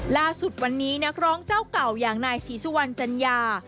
ล่าสุดวันนี้นักร้องเจ้าเก่าอย่างนายศรีสุวรรณจัญญา